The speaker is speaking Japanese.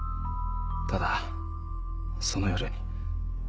ただその夜に。